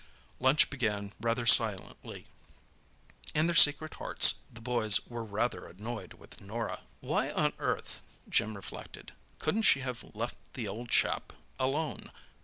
Lunch began rather silently. In their secret hearts the boys were rather annoyed with Norah. "Why on earth," Jim reflected, "couldn't she have left the old chap alone?